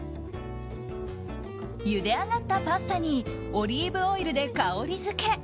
ゆで上がったパスタにオリーブオイルで香りづけ。